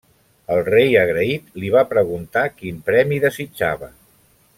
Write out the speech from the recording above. El rei agraït li va preguntar quin premi desitjava.